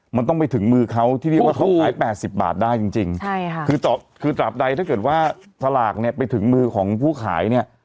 มันต้องไปถึงมือเขาที่เรียกว่าเขาขาย๘๐บาทได้จริงใช่ค่ะคือตราบใดถ้าเกิดว่าสลากเนี่ยไปถึงมือของผู้ขายเนี่ย